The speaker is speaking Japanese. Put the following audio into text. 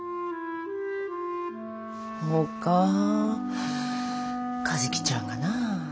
ほうか和希ちゃんがなあ。